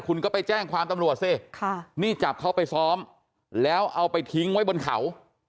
คุณก็ไปแจ้งความตำรวจสินี่จับเขาไปซ้อมแล้วเอาไปทิ้งไว้บนเขา